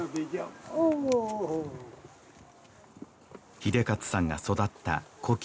英捷さんが育った故郷